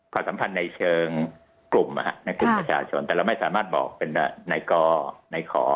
พอสัมพันธ์ในเชิงกลุ่มนักศึกประชาชนแต่เราไม่สามารถบอกเป็นไหนก่อไหนขอ